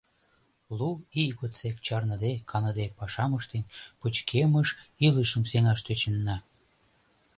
Лу ий годсек чарныде, каныде, пашам ыштен, пычкемыш илышым сеҥаш тӧченна.